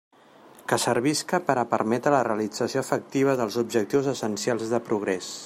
Que servisca per a permetre la realització efectiva dels objectius essencials de progrés.